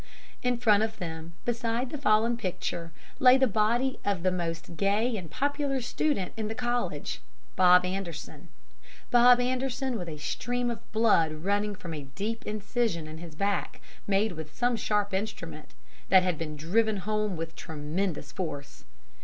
In front of them, beside the fallen picture, lay the body of the most gay and popular student in the College Bob Anderson Bob Anderson with a stream of blood running from a deep incision in his back made with some sharp instrument, that had been driven home with tremendous force.